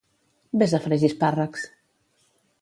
Ves a fregir espàrrecs!